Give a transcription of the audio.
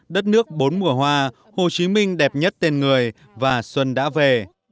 đất nước bốn mùa hoa hồ chí minh đẹp nhất tên người và xuân đã về